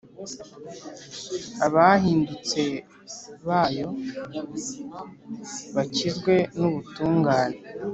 abahindutse bayo bakizwe n’ubutungane.